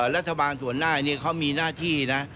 รัฐบาลส่วนหน้าเขามีหน้าที่นะ